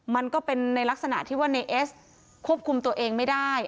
มันก็เป็นในลักษณะที่ว่าในเอสควบคุมตัวเองไม่ได้